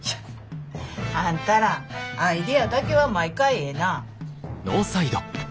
あんたらアイデアだけは毎回ええなぁ。